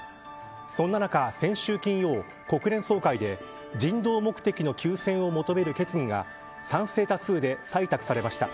そんな中、先週金曜国連総会で人道目的の休戦を求める決議が賛成多数で採択されました。